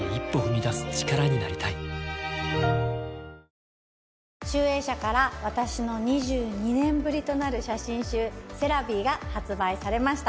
どん兵衛集英社から、私の２２年ぶりとなる写真集、セラヴィが発売されました。